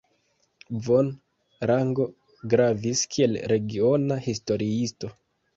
Von Rango gravis kiel regiona historiisto.